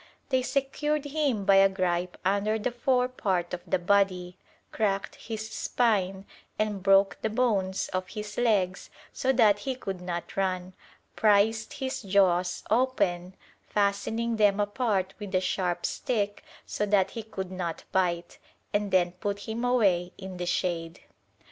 They secured him by a gripe under the fore part of the body, cracked his spine, and broke the bones of his legs so that he could not run; prised his jaws open, fastening them apart with a sharp stick so that he could not bite, and then put him away in the shade.